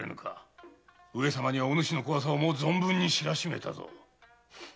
上様にはおぬしの怖さをもう存分に知らしめたぞ。